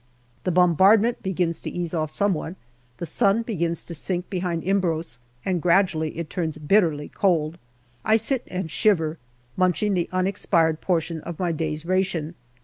The bombardment begins to ease off somewhat. The sun begins to sink behind Imbros, and gradually it turns bitterly cold. I sit and shiver, munching the unexpired portion of my day's ration.